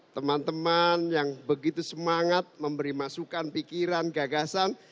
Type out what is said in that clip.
teman teman yang begitu semangat memberi masukan pikiran gagasan